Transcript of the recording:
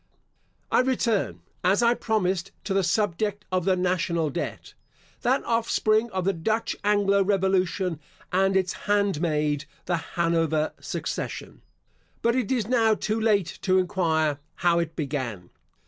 I return, as I promised, to the subject of the national debt, that offspring of the Dutch Anglo revolution, and its handmaid the Hanover succession. But it is now too late to enquire how it began.